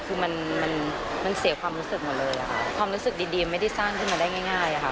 คือมันมันเสียความรู้สึกหมดเลยค่ะความรู้สึกดีไม่ได้สร้างขึ้นมาได้ง่ายค่ะ